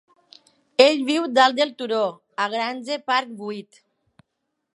Ell viu a dalt del turó, a Grange Park vuit